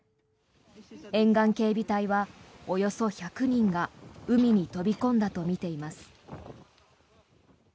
沿岸警備隊はおよそ１００人が海に飛び込んだとみています。